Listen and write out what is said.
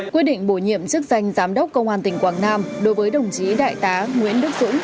quyết định bổ nhiệm chức danh giám đốc công an tỉnh quảng nam đối với đồng chí đại tá nguyễn đức dũng